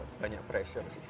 ya banyak pressure sih